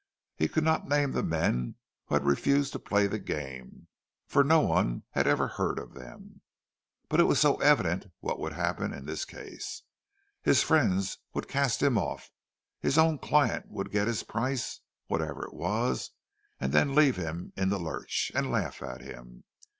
He could not name the men who had refused to play the game—for no one had ever heard of them. But it was so evident what would happen in this case! His friends would cast him off; his own client would get his price—whatever it was—and then leave him in the lurch, and laugh at him!